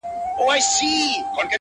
سیاه پوسي ده؛ ماسوم یې ژاړي؛